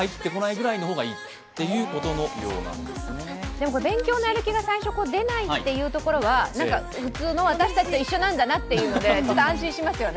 でも勉強のやる気が最初、出ないというところはなんか普通の私たちと一緒なんだなということで安心しますよね。